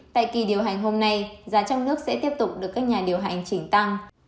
tại kỳ điều hành hôm nay giá trong nước sẽ tiếp tục được các nhà điều hành chỉnh tăng